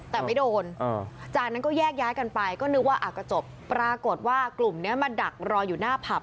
แต่ไม่โดนจากนั้นก็แยกย้ายกันไปก็นึกว่าก็จบปรากฏว่ากลุ่มนี้มาดักรออยู่หน้าผับ